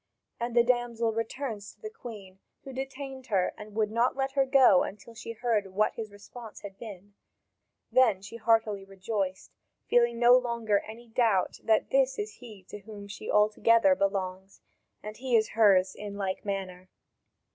And the damsel returns to the Queen, who detained her and would not let her go until she heard what his response had been; then she heartily rejoiced, feeling no longer any doubt that this is he to whom she altogether belongs, and he is hers in like manner.